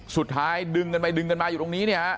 สุดท้ายดึงกันไปดึงกันมาอยู่ตรงนี้เนี่ยฮะ